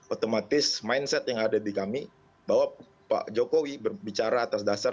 otomatis mindset yang ada di kami bahwa pak jokowi berbicara atas dasar